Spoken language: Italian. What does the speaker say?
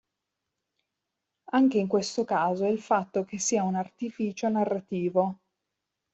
Anche in questo caso il fatto che sia un artificio narrativo.